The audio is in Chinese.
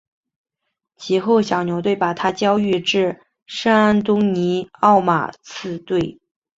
及后小牛队把他交易至圣安东尼奥马刺队。